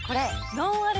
ノンアル⁉